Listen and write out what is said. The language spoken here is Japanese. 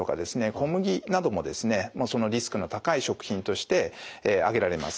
小麦などもですねそのリスクの高い食品として挙げられます。